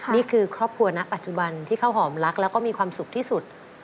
นี่คือครอบครัวณปัจจุบันที่ข้าวหอมรักแล้วก็มีความสุขที่สุด